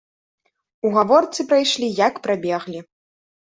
У гаворцы прайшлі, як прабеглі.